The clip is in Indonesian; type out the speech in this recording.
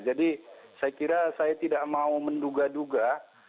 jadi saya kira saya tidak mau menduga duga